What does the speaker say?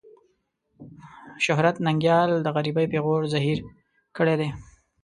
شهرت ننګيال د غريبۍ پېغور زهير کړی دی.